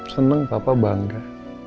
seneng papa bangga